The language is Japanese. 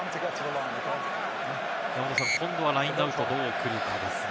今度はラインアウト、どう来るかですね。